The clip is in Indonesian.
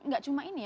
enggak cuma ini ya